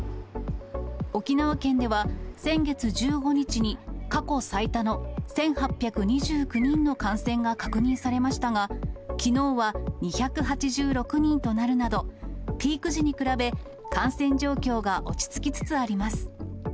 沖縄県では、先月１５日に、過去最多の１８２９人の感染が確認されましたが、きのうは２８６人となるなど、ピーク時に比べ、感染状況が落ち着きつつあります。